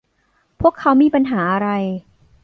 พวกเค้ามีปัญหาอะไร